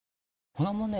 この問題